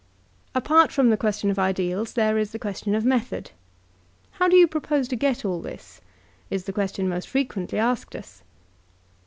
Apart from the question of ideals, there is the question of method. "How do you propose to get all this?*' is the question most frequently asked us.